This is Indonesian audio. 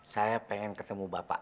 saya pengen ketemu bapak